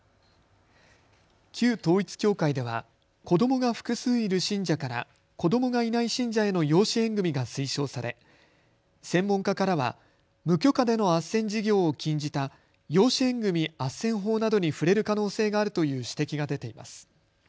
旧統一教会では子どもが複数いる信者から子どもがいない信者への養子縁組みが推奨され専門家からは無許可でのあっせん事業を禁じた養子縁組あっせん法などに触れる可能性があるという指摘が出ています。